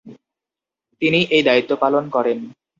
তিনি এই দায়িত্ব পালন করেন।